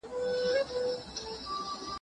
چې په لار به تېرېده